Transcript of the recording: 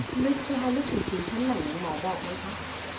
คุณคุณค่ะรู้สึกผิวชั้นหลังมันหมอบอกไหมคะ